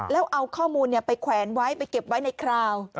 แล้วเอาข้อมูลไปแขวนไว้ไปเก็บไว้ในคราว